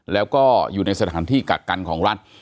แล้วก็อยู่ในสถานที่กักกันของรัฐ